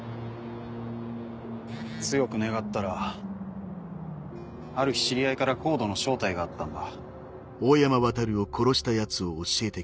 強く願ったらある日知り合いからＣＯＤＥの招待があったんだ。